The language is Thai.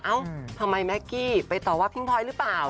เอ้าทำไมแม็กกี้ไปต่อว่าพิงพลอยหรือเปล่า